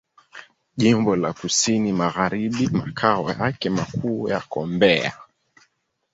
Jimbo la Kusini Magharibi Makao yake makuu yako Mbeya.